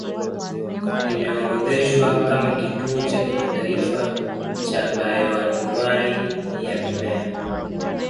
Imeorodheshwa kama kituo cha kimataifa cha bayoanuwai ya mimea